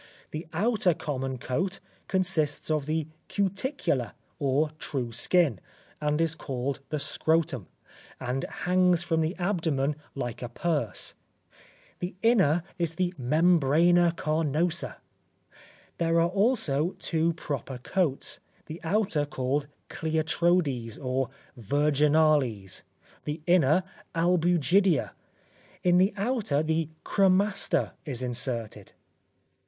The outer common coat, consists of the cuticula, or true skin, and is called the scrotum, and hangs from the abdomen like a purse; the inner is the membrana carnosa. There are also two proper coats the outer called cliotrodes, or virginales; the inner albugidia; in the outer the cremaster is inserted.